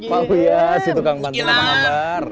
pak huyat si tukang pantai apa kabar